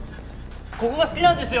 ここが好きなんですよ！